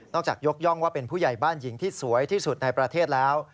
จากยกย่องว่าเป็นผู้ใหญ่บ้านหญิงที่สวยที่สุดในประเทศแล้ว